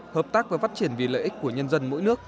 hợp tác và phát triển vì lợi ích của nhân dân mỗi nước